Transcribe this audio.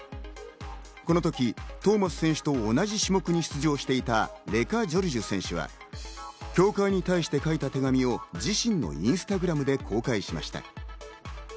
この時、トーマス選手と同じ種目に出場していたレカ・ジョルジュ選手は協会に対して書いた手紙を自身のインスタグラムで公開しました。